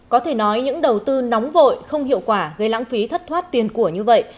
có thể nói những đầu tư nóng vội không hiệu quả gây lãng phí thất thoát tiền của như vậy